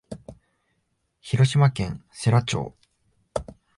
広島県世羅町